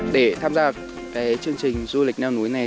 để tham gia chương trình du lịch leo núi này